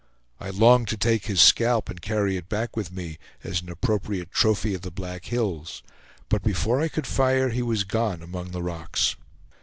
I longed to take his scalp and carry it back with me, as an appropriate trophy of the Black Hills, but before I could fire, he was gone among the rocks.